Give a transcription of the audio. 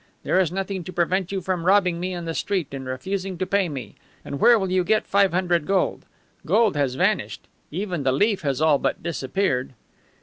There is nothing to prevent you from robbing me in the street and refusing to pay me. And where will you get five hundred gold? Gold has vanished. Even the leaf has all but disappeared."